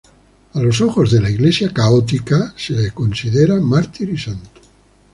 A los ojos de la Iglesia católica, se lo considera mártir y santo.